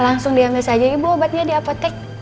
langsung diambil saja ibu obatnya di apotek